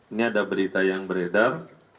ini ada berita yang beredar